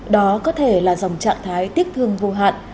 đó có thể là dòng trạng thái tiếc thương vô hạn